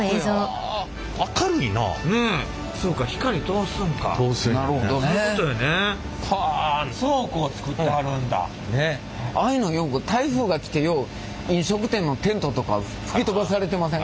ああいうのよく台風が来てよう飲食店のテントとか吹き飛ばされてません？